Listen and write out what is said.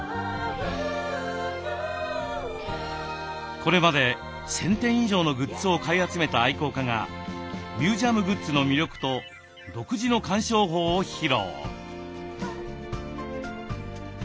これまで１，０００点以上のグッズを買い集めた愛好家がミュージアムグッズの魅力と独自の鑑賞法を披露。